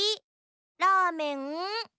ラーメン？